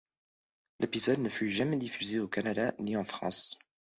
L'épisode ne fut jamais diffusé au Canada, ni en France.